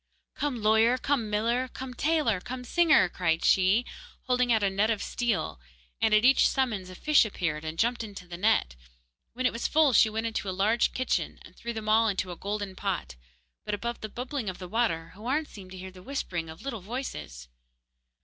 'Come lawyer, come miller, come tailor, come singer!' cried she, holding out a net of steel; and at each summons a fish appeared and jumped into the net. When it was full she went into a large kitchen and threw them all into a golden pot; but above the bubbling of the water Houarn seemed to hear the whispering of little voices.